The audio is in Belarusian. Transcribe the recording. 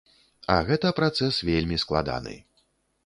А гэта працэс вельмі складаны.